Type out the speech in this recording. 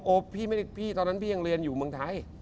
โอ๊พี่ไม่นึกพี่ตอนนั้นพี่ยังเรียนอยู่เมืองไทย